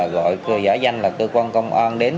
giả danh là cơ quan công an đến